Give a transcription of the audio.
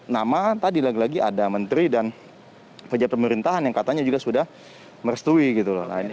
nama tadi lagi lagi ada menteri dan pejabat pemerintahan yang katanya juga sudah merestui gitu loh